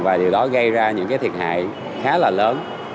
và điều đó gây ra những cái thiệt hại khá là lớn